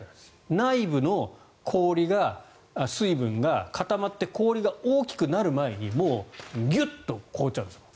内部の水分が固まって氷が大きくなる前にもうギュッと凍っちゃうんです。